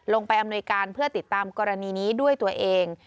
อำนวยการเพื่อติดตามกรณีนี้ด้วยตัวเอง